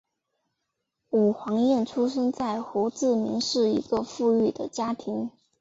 武黄燕出生在胡志明市一个富裕的家庭。